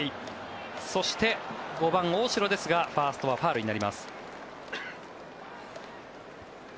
そして、５番、大城ですがファーストはファウルになります。